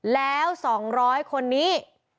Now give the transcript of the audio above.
แล้ว๒๐๐คนนี้